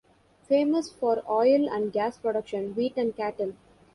Famous for oil and gas production, wheat and cattle.